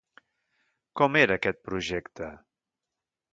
Com era aquest projecte?